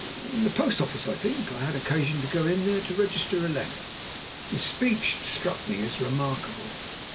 "In the post office, I think. I had occasion to go in there to register a letter." His speech struck me as remarkable.